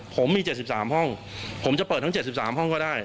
ผมมี๗๓ห้องผมจะเปิดทั้ง๗๓ห้องก็ได้